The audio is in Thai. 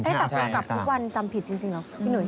ตลกลับทุกวันจำผิดจริงหรอพี่หนุ่ย